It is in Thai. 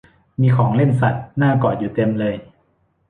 มีของเล่นสัตว์น่ากอดอยู่เต็มเลย